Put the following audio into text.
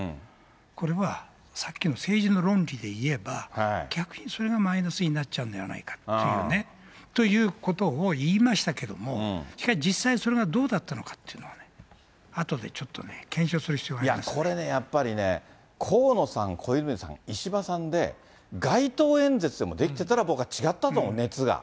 これは、さっきの政治の論理で言えば、逆にそれがマイナスになっちゃうんではないかというね、ということを言いましたけども、しかし、実際、それがどうだったのかっていうのはね、あとでちょっとね、いや、これね、やっぱりね、河野さん、小泉さん、石破さんで、街頭演説でもできてたら、僕は違ったと思う、熱が。